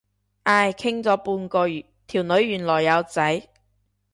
唉，傾咗半個月，條女原來有仔。